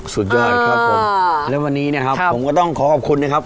สุดยอดครับผมและวันนี้นะครับผมก็ต้องขอขอบคุณนะครับ